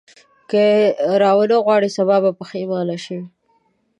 که یې راونه غواړې سبا به پښېمانه شې.